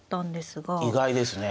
意外ですね。